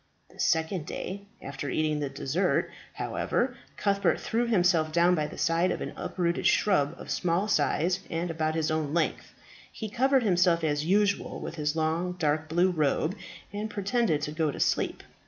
The second day after entering the desert, however, Cuthbert threw himself down by the side of an uprooted shrub of small size and about his own length. He covered himself as usual with his long, dark blue robe, and pretended to go to sleep.